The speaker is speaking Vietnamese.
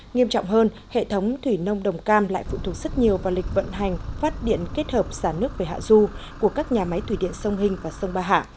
nghiêm trọng hơn hệ thống thủy nông đồng cam lại phụ thuộc rất nhiều vào lịch vận hành phát điện kết hợp xả nước về hạ du của các nhà máy thủy điện sông hình và sông ba hạ